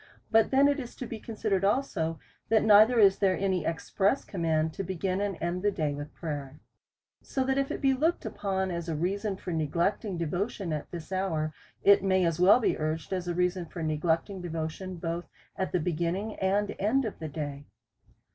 But then it is to be considered also, that neither is there an express command to begin and end the day with prayer. So that if tliat he looked upon as a reason for neglecting devotion at this hour, it may as well be urged as a reason for neglecting devotion both at the beginning and end of the day.